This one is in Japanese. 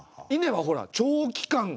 稲はほら長期間